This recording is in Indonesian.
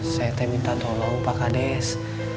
saya teh minta tolong pak kandes